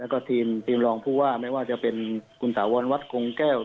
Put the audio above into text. แล้วก็ทีมรองผู้ว่าไม่ว่าจะเป็นคุณถาวรวัดคงแก้ว